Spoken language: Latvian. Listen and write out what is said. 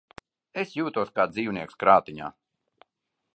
Es jūtos kā dzīvnieks krātiņā.